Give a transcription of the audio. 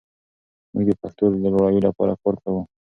موږ د پښتو د لوړاوي لپاره کار کوو.